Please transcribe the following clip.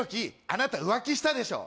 あなた浮気したでしょ？